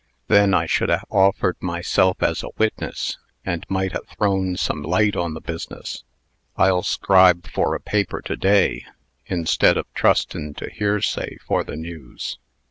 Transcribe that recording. Then I should ha' offered myself as a witness, and might ha' thrown some light on the business. I'll 'scribe for a paper to day, instead of trustin' to hearsay for the news."